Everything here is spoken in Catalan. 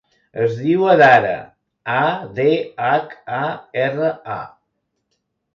Es diu Adhara: a, de, hac, a, erra, a.